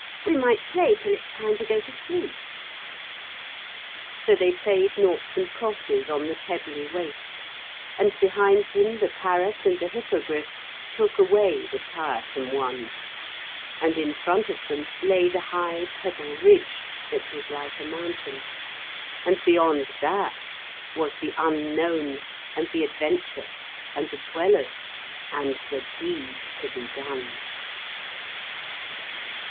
We might play till it's time to go to sleep.' So they played noughts and crosses on the Pebbly Waste, and behind them the parrot and the Hippogriff took away the tiresome one, and in front of them lay the high pebble ridge that was like a mountain, and beyond that was the unknown and the adventure and the Dwellers and the deed to be done.